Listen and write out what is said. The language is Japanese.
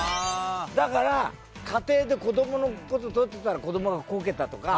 だから家庭で子供の事撮ってたら子供がこけたとか。